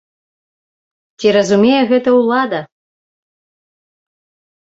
Ці разумее гэта ўлада?